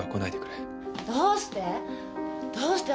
どうして？